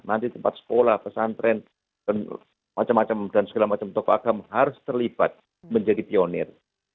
nanti tempat sekolah pesantren macam macam dan segala macam tokoh agama harus terlibat menjadi pionir